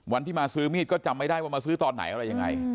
วันที่มาซื้อมีดก็จำไม่ได้ว่ามาซื้อตอนไหนอะไรยังไง